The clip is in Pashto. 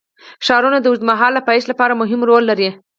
ښارونه د اوږدمهاله پایښت لپاره مهم رول لري.